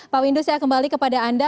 pak windu saya kembali kepada anda